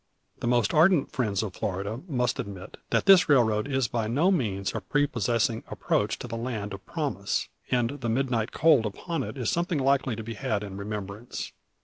The most ardent friends of Florida must admit that this railroad is by no means a prepossessing approach to the land of promise; and the midnight cold upon it is something likely to be had in remembrance.